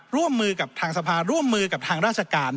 ร่วมมือกับทางสภาร่วมมือกับทางราชการ